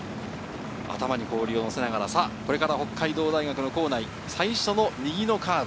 頭に氷を載せながら、さぁこれから北海道大学の構内、最初の右のカーブ